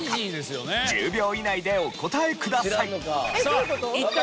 １０秒以内でお答えください。